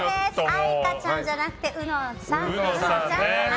愛花ちゃんじゃなくてうのです！